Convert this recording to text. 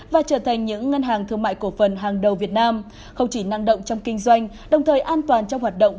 và trở thành những ngân hàng thương mại cổ phần hàng đầu việt nam không chỉ năng động trong kinh doanh đồng thời an toàn trong hoạt động